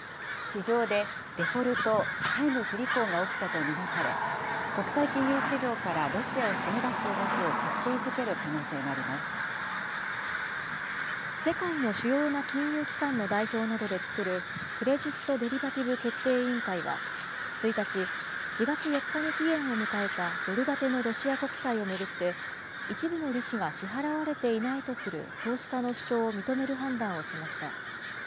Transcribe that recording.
市場でデフォルト・債務不履行が起きたと見なされ、国際金融市場からロシアを締め出す動きを決定づける可能性があり世界の主要な金融機関の代表などで作る、クレジットデリバティブ決定委員会は、１日、４月４日に期限を迎えたドル建てのロシア国債を巡って、一部の利子が支払われていないとする投資家の主張を認める判断をしました。